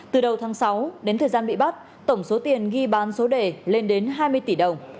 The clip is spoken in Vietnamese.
từ đầu tháng sáu đến thời gian bị bắt tổng số tiền ghi bán số đề lên đến hai mươi tỷ đồng